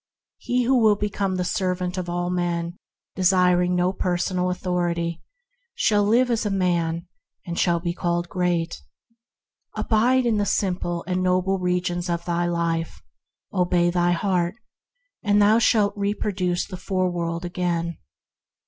He who will be come the servant of all men, desiring no personal authority, shall live as a man, and shall be called great. "Abide in the simple and noble regions of thy life, obey thy heart, and thou shalt reproduce the fore world again."